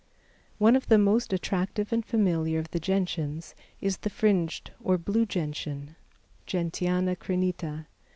One of the most attractive and familiar of the Gentians is the fringed or blue Gentian (Gentiana crinita).